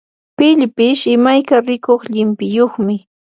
pillpish imayka rikuq llimpiyuqmi.